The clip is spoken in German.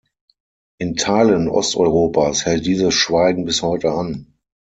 In Teilen Osteuropas hält dieses Schweigen bis heute an.